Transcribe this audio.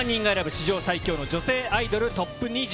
史上最強の女性アイドルＴＯＰ２０。